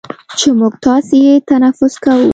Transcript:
چې موږ تاسې یې تنفس کوو،